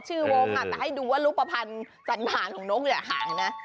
ชื่อวงอาจจะให้ดูว่ารุปภัณฑ์สันหารของน้องอย่าห่างนะ